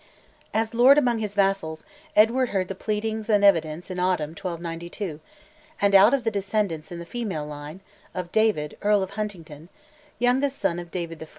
As lord among his vassals, Edward heard the pleadings and evidence in autumn 1292; and out of the descendants, in the female line, of David Earl of Huntingdon, youngest son of David I.